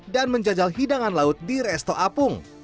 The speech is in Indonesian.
dan menjajal hidangan laut di resto apung